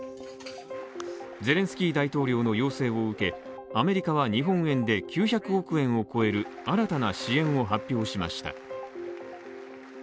ゼレンスキー大統領の要請を受け、アメリカは日本円で９００億円を超える新たな支援を発表しました。